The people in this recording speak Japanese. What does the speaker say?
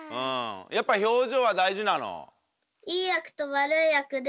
やっぱひょうじょうはだいじなの？